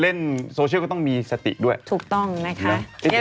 เล่นโซเชียลก็ต้องมีสติด้วยถูกต้องนะคะ